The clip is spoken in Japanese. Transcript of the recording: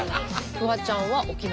フワちゃんは沖縄。